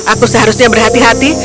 aku seharusnya berhati hati